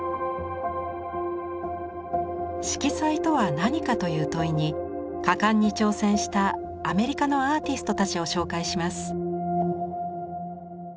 色彩とは何か？という問いに果敢に挑戦したアメリカのアーティストたちを紹介します。